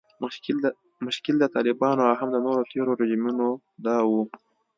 مشکل د طالبانو او هم د نورو تیرو رژیمونو دا و